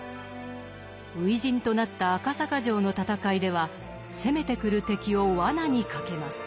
初陣となった赤坂城の戦いでは攻めてくる敵を罠にかけます。